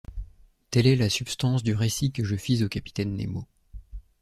Telle est la substance du récit que je fis au capitaine Nemo.